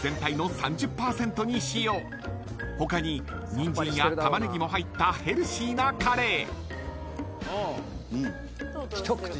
［他にニンジンやタマネギも入ったヘルシーなカレー］